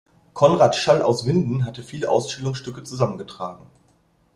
Konrad Schall aus Winden hatte viele Ausstellungsstücke zusammengetragen.